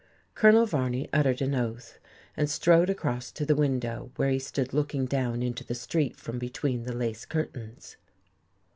Colonel Varney uttered an oath, and strode across to the window, where he stood looking down into the street from between the lace curtains.